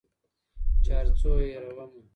چي هر څو یې هېرومه